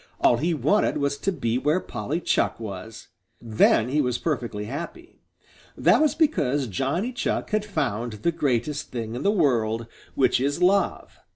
All he wanted was to be where Polly Chuck was. Then he was perfectly happy. That was because Johnny Chuck had found the greatest thing in the world, which is love.